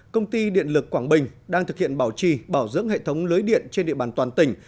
công ty điện lực quảng bình đang thực hiện bảo trì bảo dưỡng hệ thống lưới điện trên địa bàn toàn tỉnh